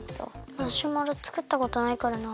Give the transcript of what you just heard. マシュマロつくったことないからな。